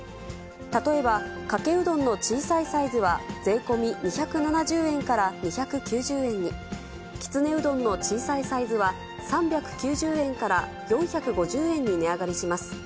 例えば、かけうどんの小さいサイズは税込み２７０円から２９０円に、きつねうどんの小さいサイズは３９０円から４５０円に値上がりします。